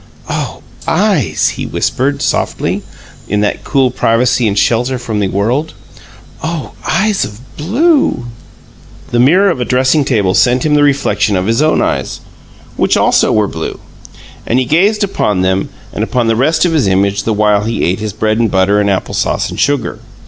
"Oh, eyes!" he whispered, softly, in that cool privacy and shelter from the world. "Oh, eyes of blue!" The mirror of a dressing table sent him the reflection of his own eyes, which also were blue; and he gazed upon them and upon the rest of his image the while he ate his bread and butter and apple sauce and sugar.